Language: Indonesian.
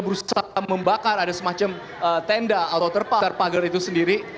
berusaha membakar ada semacam tenda atau terpagar pagar itu sendiri